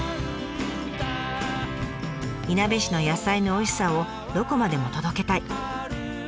いなべ市の野菜のおいしさをどこまでも届けたい。